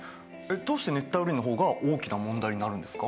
どうして熱帯雨林のほうが大きな問題になるんですか？